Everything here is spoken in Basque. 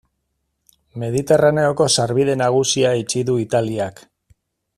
Mediterraneoko sarbide nagusia itxi du Italiak.